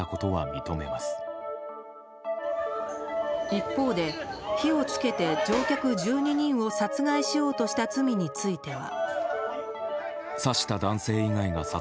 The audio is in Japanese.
一方で火を付けて乗客１２人を殺害しようとした罪については。